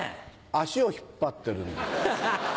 足を引っ張ってるんです。